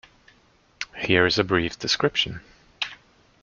Here is a brief description.